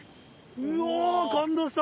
うわ感動した！